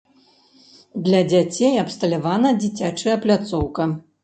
Для дзяцей абсталявана дзіцячая пляцоўка.